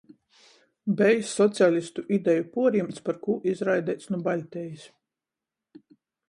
Bejs socialistu ideju puorjimts, par kū izraideits nu Baļtejis,